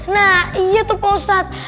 nah iya tuh pak ustadz